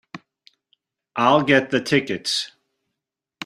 I'll get the tickets.